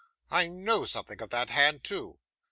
'I know something of that hand, too.